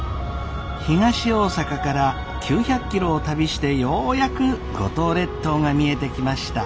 東大阪から９００キロを旅してようやく五島列島が見えてきました。